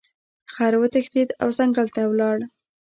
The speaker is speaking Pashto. خر وتښتید او ځنګل ته لاړ.